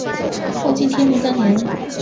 后晋天福三年。